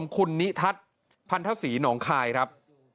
คุณนิทัศน์พันธศรีหนองคายครับ